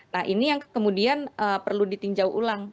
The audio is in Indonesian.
nah ini yang kemudian perlu ditinjau ulang